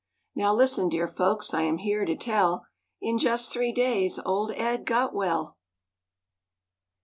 Now listen, dear folks, I am here to tell, In just three days old Ed got well.